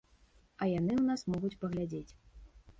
А яны ў нас могуць паглядзець.